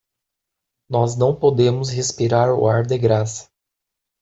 Nós não podemos respirar o ar de graça.